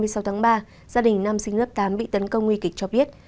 gia đình nam sinh lớp tám bị tấn công nguy kịch cho biết